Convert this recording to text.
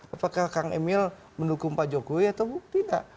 apakah kang emil mendukung pak jokowi atau tidak